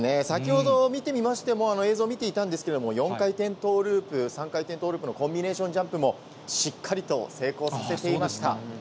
先ほど見てみましても、映像見ていたんですけれども、４回転トーループ、３回転トーループのコンビネーションジャンプもしっかりと成功させていました。